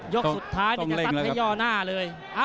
ยกสุดท้ายจะซัดให้ย่อหน้าเลย